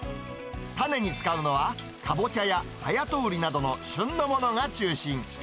種に使うのは、かぼちゃやはやとうりなどの旬のものが中心。